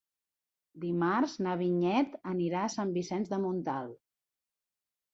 Dimarts na Vinyet anirà a Sant Vicenç de Montalt.